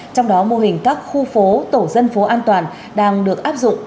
trong đó mô hình các khu phố tổ dân phố an toàn đang được áp dụng